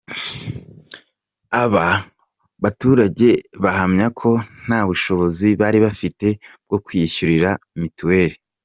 Aba baturage bahamya ko nta bushobozi bari bafite bwo kwiyishyurira Mitiweri.